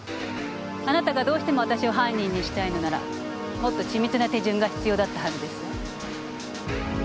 あなたがどうしても私を犯人にしたいのならもっと緻密な手順が必要だったはずですわ。